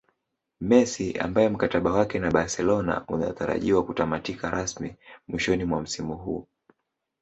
Messi ambaye mkataba wake na Barcelona unatarajiwa kutamatika rasmi mwishoni mwa msimu huu